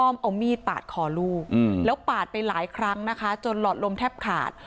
เอามีดปาดคอลูกแล้วปาดไปหลายครั้งนะคะจนหลอดลมแทบขาด